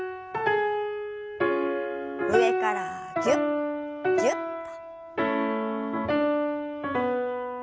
上からぎゅっぎゅっと。